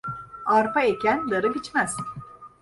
Arpa eken darı biçmez.